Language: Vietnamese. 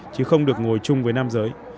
chứ không được ngồi chung với nam giới